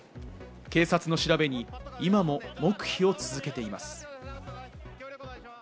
警察の調べに今も黙秘を続けています。